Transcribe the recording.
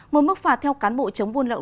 một mức phạt theo cán bộ chống buôn lậu